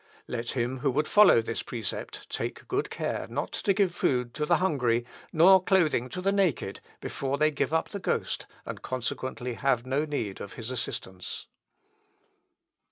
Let him who would follow this precept take good care not to give food to the hungry, nor clothing to the naked, before they give up the ghost, and, consequently, have no need of his assistance."